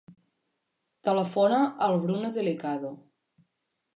Telefona al Bruno Delicado.